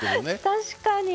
確かに。